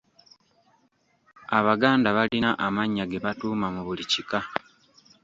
Abaganda balina amannya ge batuuma mu buli kika.